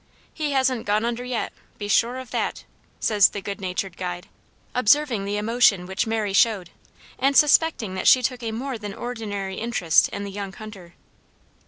He hasn't gone under yet; be sure of that," says the good natured guide, observing the emotion which Mary showed, and suspecting that she took a more than ordinary interest in the young hunter.